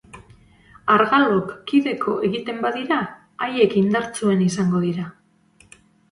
Argalok kideko egiten badira, haiek indartsuen izango dira.